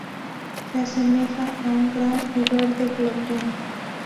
Se asemeja a un gran y verde glotón.